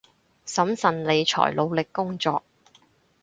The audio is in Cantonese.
審慎理財，努力工作